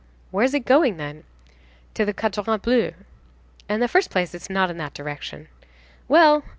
"Where is it going then?" "To the Cadran Bleu." "In the first place, it's not in that direction." "Well!